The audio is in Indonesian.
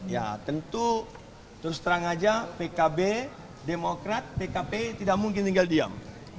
ya tentu terus terang aja pkb demokrat pkp tidak mungkin tinggal diam